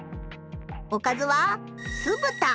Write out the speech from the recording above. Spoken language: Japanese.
おかずは酢豚。